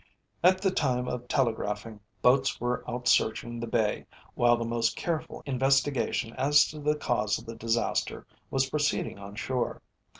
At the time of telegraphing, boats were out searching the Bay, while the most careful investigation as to the cause of the disaster was proceeding on shore.